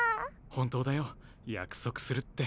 本当だよ約束するって。